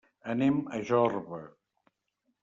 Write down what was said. Anem a Jorba.